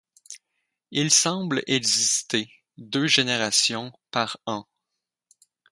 Il semble exister deux générations par an.